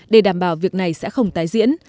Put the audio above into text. để đảm bảo việc này sẽ không tái diễn